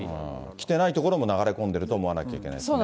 来てない所も流れ込んでると思わなければならないですね。